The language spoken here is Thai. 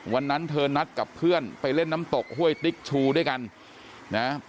วันนั้นเธอนัดกับเพื่อนไปเล่นน้ำตกห้วยติ๊กชูด้วยกันนะ